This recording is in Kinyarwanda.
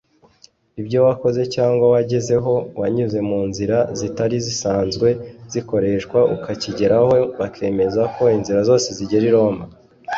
Ibyo wakoze cyangwa wagezeho wanyuze mu nzira zitari zisanzwe zikoreshwa ukakigeraho bakemeza ko inzira zose zigera i Roma